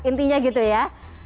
intinya gitu ya